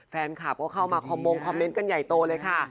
แฟนคลับก็เข้ามาคอมมงคอมเมนต์กันใหญ่โตเลยค่ะ